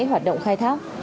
hoạt động khai thác